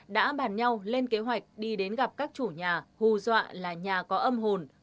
đã bàn nhau lên kế hoạch đi đến gặp các chủ nhà hù dọa là nhà có âm hồn vong hài cốt